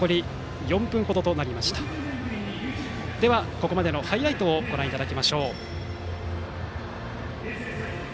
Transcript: ここまでのハイライトをご覧いただきましょう。